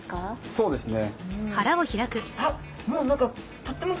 そうですね。